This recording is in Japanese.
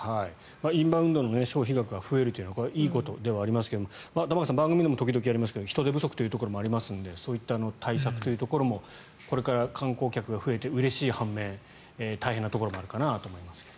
インバウンドの消費額が増えるのはいいことではありますが玉川さん番組でも時々やりますが人手不足ということもありますのでそういうところの対策もこれから観光客が増えて、うれしい半面大変なところもあるかなと思いますね。